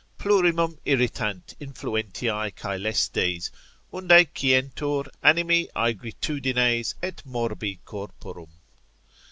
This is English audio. plurimum irritant influentiae, caelestes, unde cientur animi aegritudines et morbi corporum.